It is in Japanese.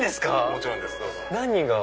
もちろんですどうぞ。